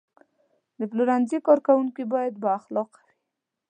د پلورنځي کارکوونکي باید بااخلاقه وي.